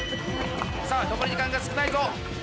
さあ残り時間が少ないぞ。